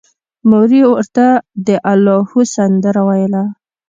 مور یې ورته د اللاهو سندره ویله